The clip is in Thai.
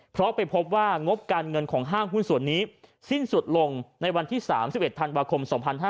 เพราะไปพบว่างบการเงินของห้างหุ้นส่วนนี้สิ้นสุดลงในวันที่๓๑ธันวาคม๒๕๕๙